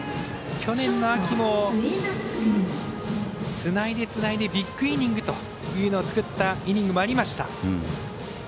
去年の秋もつないで、つないでビッグイニングというのを作ったイニングもありました。